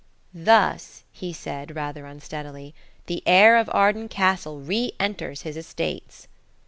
"Thus," he said rather unsteadily, "the heir of Arden Castle re enters his estates."